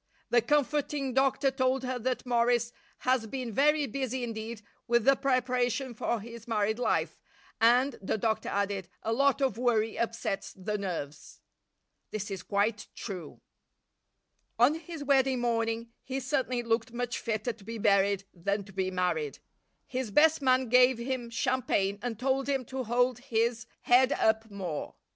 The comforting doctor told her that Morris has been very busy indeed with the preparation for his married life and, the doctor added, a lot of worry upsets the nerves. This is quite true. On his wedding morning he certainly looked much fitter to be buried than to be married. His best man gave him champagne and told him to hold his head up more.